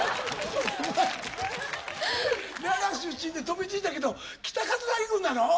奈良出身で飛びついたけど北城郡なの？